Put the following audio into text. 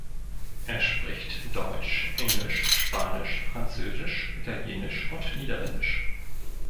Er spricht Deutsch, Englisch, Spanisch, Französisch, Italienisch und Niederländisch.